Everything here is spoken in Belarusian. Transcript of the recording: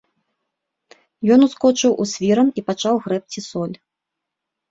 Ён ускочыў у свіран і пачаў грэбці соль.